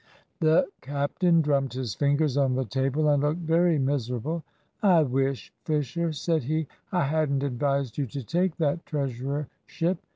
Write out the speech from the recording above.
The captain drummed his fingers on the table and looked very miserable. "I wish, Fisher," said he, "I hadn't advised you to take that treasurership.